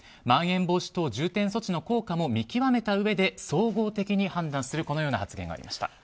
まん延防止等重点措置の効果も見極めたうえで総合的に判断するとこのような発言がありました。